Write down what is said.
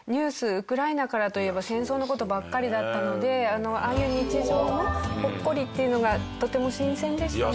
ウクライナからといえば戦争の事ばっかりだったのでああいう日常のほっこりっていうのがとても新鮮でしたね。